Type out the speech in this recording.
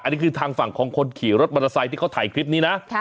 อันนี้คือทางฝั่งของคนขี่รถบรรทไซแพนที่เขาถ่ายคลิปนี้นะท่ะ